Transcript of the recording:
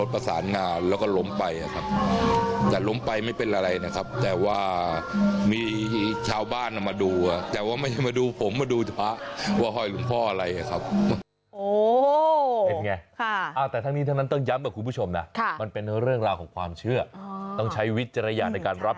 บอกว่ามันจะมาดูผมมาดูตัวว่าห้อยหลวงพ่ออะไรครับ